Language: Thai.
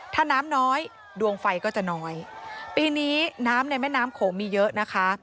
ถ้าน้ำน้อยดวงไฟก็จะน้อยปีนี้น้ำในแม่น้ำโขงมีเยอะนะคะ